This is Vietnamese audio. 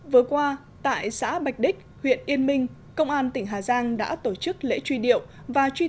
vừa qua tại xã bạch đích huyện yên minh công an tỉnh hà giang đã tổ chức lễ truy điệu và truy